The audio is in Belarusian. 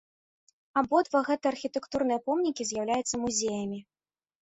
Абодва гэтыя архітэктурныя помнікі з'яўляюцца музеямі.